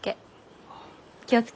気を付けてね。